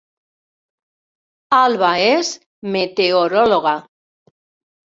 Alba és meteoròloga